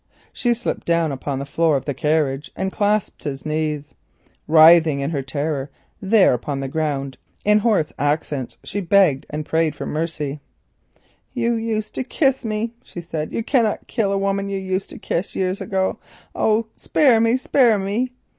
She slipped down upon the floor of the carriage and clasped his knees. Writhing in her terror upon the ground, in hoarse accents she prayed for mercy. "You used to kiss me," she said; "you cannot kill a woman you used to kiss years ago. Oh, spare me, spare me!"